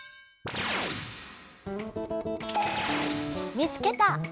見つけた！